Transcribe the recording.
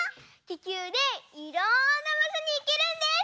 ききゅうでいろんなばしょにいけるんです！